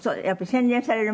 洗練される。